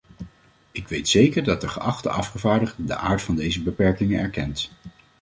Ik weet zeker dat de geachte afgevaardigde de aard van deze beperkingen erkent.